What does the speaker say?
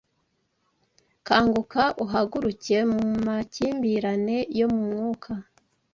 Kanguka, uhaguruke mu makimbirane yo mu mwuka